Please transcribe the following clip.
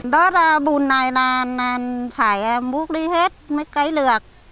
đất bùn này là phải bút đi hết mấy cây lược